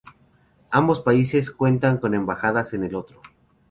Ambos países cuentan con embajadas en el otro.